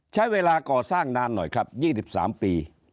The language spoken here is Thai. ใช้เวลาก่อสร้างนานหน่อยครับ๒๓ปี